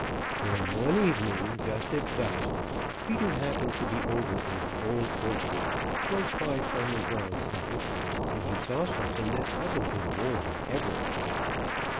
Then one evening just at dusk, Peter happened to be over in the Old Orchard close by Farmer Brown's house, and he saw something that puzzled him more than ever.